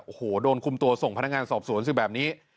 โอ้โหโดนคุมตัวส่งภารกันสอบสวนซึ่งแบบนี้